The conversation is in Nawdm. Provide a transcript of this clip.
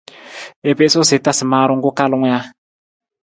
I piisu sa i tasa maarung ku kalung ja?